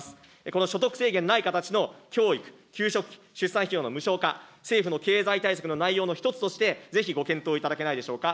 この所得制限ない形の教育、給食費、出産費用の無償化、政府の経済対策の内容の一つとして、ぜひご検討いただけないでしょうか。